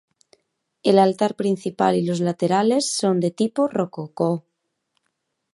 El altar principal y los laterales son de tipo rococó.